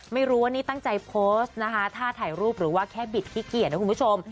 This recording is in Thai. ไม่รู้ว่านี่ตั้งใจโพสต์นะคะถ้าถ่ายรูปหรือว่าแค่บิดขี้เกียจนะคุณผู้ชม